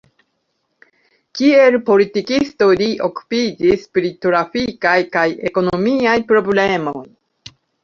Kiel politikisto li okupiĝis pri trafikaj kaj ekonomiaj problemoj.